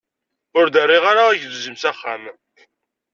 Ur d-rriɣ ara agelzim s axxam.